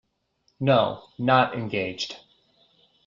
No, not engaged.